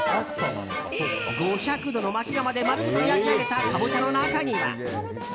５００度の薪窯で丸ごと焼き上げた、カボチャの中には。